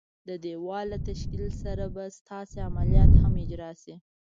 د دېوال له تشکیل سره به ستاسي عملیات هم اجرا شي.